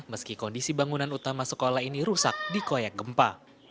meski kondisi bangunan utama sekolah ini rusak di koyak gempa